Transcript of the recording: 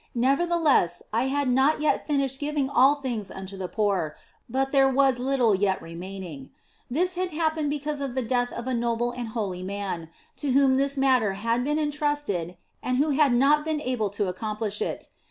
Nevertheless, I had not yet finished giving all things unto the poor, but there was little yet remaining. This had happened because of the death of a noble and holy man, to whom this matter had been entrusted and who had not been able to accomplish it.